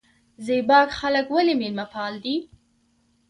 زیباک خلک ولې میلمه پال دي؟